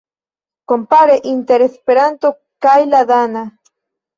Komparo inter Esperanto kaj la dana.